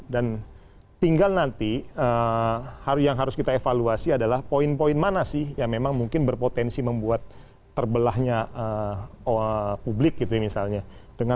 dan tinggal nanti yang harus kita evaluasi adalah poin poin mana sih yang memang mungkin berpotensi membuat terbelahnya publik gitu misalnya